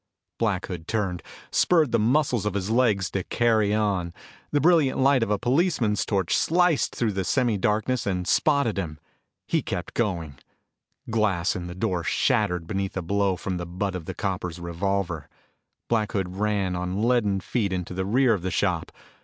Black Hood turned, spurred the muscles of his legs to carry on. The brilliant light of a policeman's torch sliced through the semi darkness and spotted him. He kept going. Glass in the front door shattered beneath a blow from the butt of the copper's revolver. Black Hood ran on leaden feet into the rear of the shop.